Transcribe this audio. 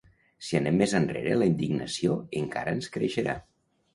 Si anem més enrere la indignació encara ens creixerà.